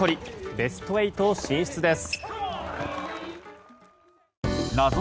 ベスト８進出です。